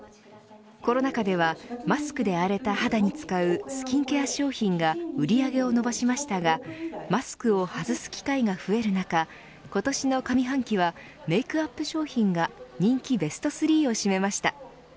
コロナ禍ではマスクで荒れた肌に使うスキンケア商品が売り上げを伸ばしましたがマスクを外す機会が増える中今年の上半期はメークアップ商品が人気ベスト３を占めました。